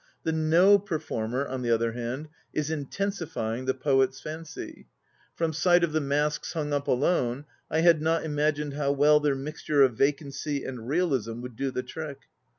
The No performer, on the other hand, is intensifv the poet's fancy. From sight of the masks hung up alone, I not iniau'iiu'd how well their mixture of vacancy and realism would <ln tlir tri.k.